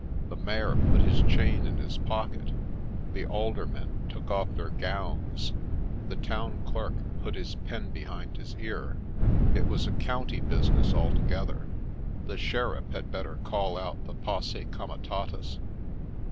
The Mayor put his chain in his pocket, the Aldermen took off their gowns, the Town Clerk put his pen behind his ear. It was a county business altogether :— the Sheriff had better call out the posse comitatus.